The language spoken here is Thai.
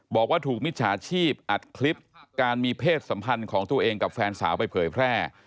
บอกว่าถูกมิจฉาชีพอัดคลิปการมีเพศสัมพันธ์ของตัวเองกับแฟนสาวไปเผยแพร่